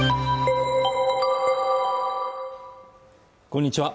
こんにちは